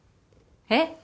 えっ？